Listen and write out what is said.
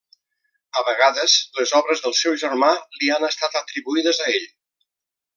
A vegades les obres del seu germà li han estat atribuïdes a ell.